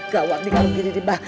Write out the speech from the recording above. gawat nih kalau gini nih pak